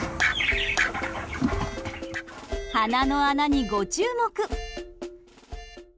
鼻の穴に、ご注目。